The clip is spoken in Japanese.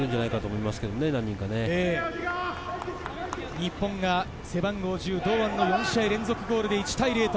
日本が背番号１０・堂安の４試合連続ゴールで１対０。